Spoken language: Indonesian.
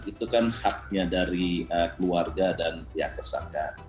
itu kan haknya dari keluarga dan pihak tersangka